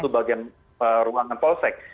itu bagian ruangan polsek